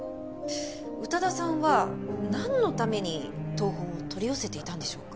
宇多田さんはなんのために謄本を取り寄せていたんでしょうか？